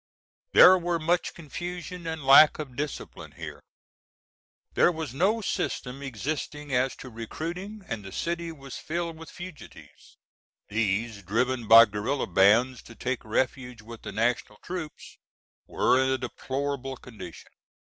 There were much confusion and lack of discipline here. "There was no system existing as to recruiting and the city was filled with fugitives. These, driven by guerilla bands to take refuge with the national troops, were in a deplorable condition."